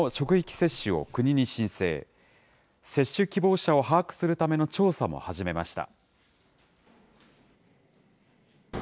接種希望者を把握するための調査も始めました。